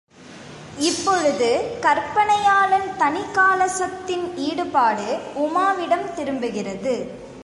இப்பொழுது கற்பனையாளன் தணிகாசலத்தின் ஈடுபாடு உமாவிடம் திரும்புகிறது.